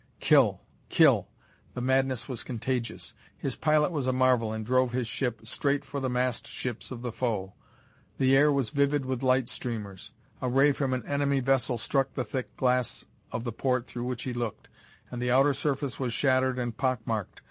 Kill! Kill! The madness was contagious. His pilot was a marvel and drove his ship straight for the massed ships of the foe. The air was vivid with light streamers. A ray from an enemy vessel struck the thick glass of the port through which he looked and the outer surface was shattered and pock marked.